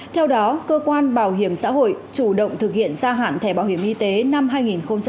theo đó cơ quan bảo hiểm xã hội chủ động thực hiện gia hạn thẻ bảo hiểm y tế năm hai nghìn hai mươi